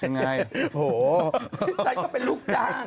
ฉันก็เป็นลูกจ้าง